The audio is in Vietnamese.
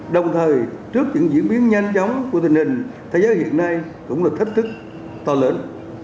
đồng thời trước những diễn biến nhanh chóng của tình hình thế giới hiện nay cũng là thách thức to lớn